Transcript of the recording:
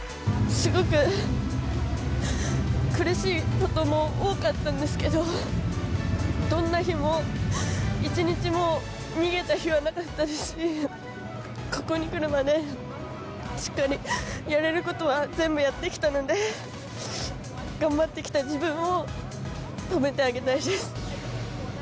すごく苦しいことも多かったんですけど、どんな日も、一日も逃げた日はなかったですし、ここに来るまで、しっかりやれることは全部やってきたので、頑張ってきた自分を褒めてあげたいです。